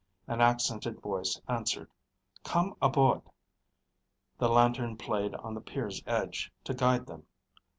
An accented voice answered, "Come aboard." The lantern played on the pier's edge to guide them.